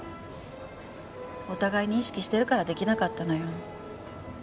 お互いに意識してるからできなかったのよ。